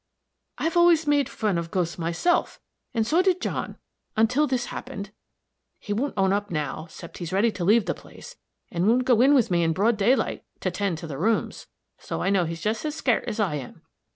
"I always made fun of ghosts, myself, and so did John, until this happened. He won't own up now, 'cept that he's ready to leave the place, and won't go in with me in broad daylight, to 'tend to the rooms. So I know he's just as scairt as I am.